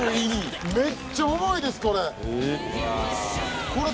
めっちゃ重いです、これ。